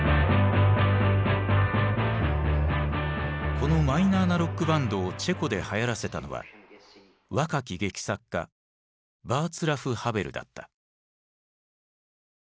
このマイナーなロックバンドをチェコではやらせたのは若き劇作家ヴァーツラフ・ハヴェルだった。